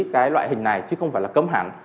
cái loại hình này chứ không phải là cấm hẳn